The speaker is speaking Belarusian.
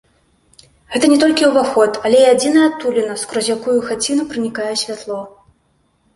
Гэта не толькі ўваход, але і адзіная адтуліна, скрозь якую ў хаціну пранікае святло.